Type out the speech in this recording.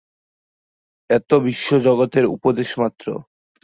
এতো বিশ্ব জগতের জন্য উপদেশ মাত্র।